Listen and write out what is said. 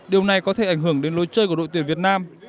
điều này có thể ảnh hưởng đến lối chơi của đội tuyển việt nam